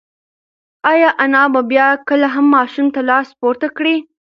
ایا انا به بیا کله هم ماشوم ته لاس پورته کړي؟